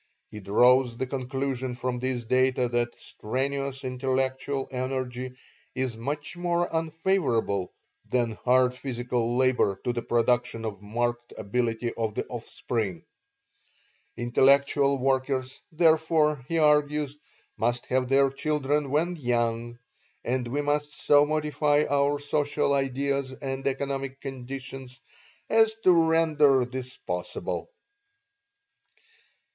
He draws the conclusion from these data that strenuous intellectual energy is much more unfavorable than hard physical labor to the production of marked ability in the offspring. Intellectual workers, therefore, he argues, must have their children when young, and we must so modify our social ideals and economic conditions as to render this possible.